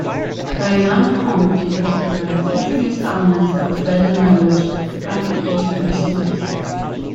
Gaoyuan Hong in particular has introduced elements of Tibetan language rapping into their singles.